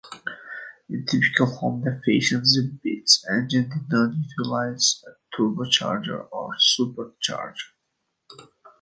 In typical Honda fashion, the Beat's engine did not utilize a turbocharger or supercharger.